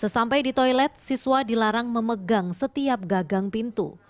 sesampai di toilet siswa dilarang memegang setiap gagang pintu